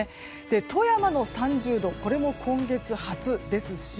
富山の３０度も今月初ですし